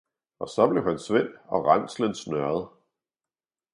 Og så blev han svend og ranslen snøret.